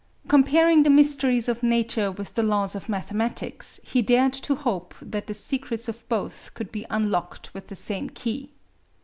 "Comparing the mysteries of Nature with the laws of mathematics, he dared to hope that the secrets of both could be unlocked with the same key."